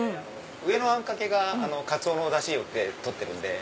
上のあんかけがカツオのダシで取ってるんで。